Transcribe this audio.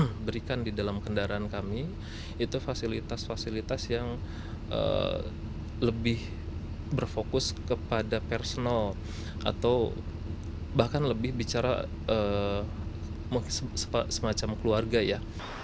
yang diberikan di dalam kendaraan kami itu fasilitas fasilitas yang lebih berfokus kepada personal atau bahkan lebih bicara semacam keluarga ya